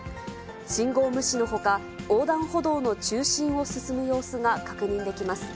信号無視のほか、横断歩道の中心を進む様子が確認できます。